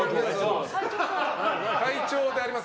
会長であります